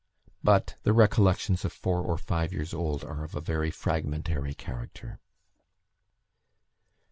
But the recollections of four or five years old are of a very fragmentary character.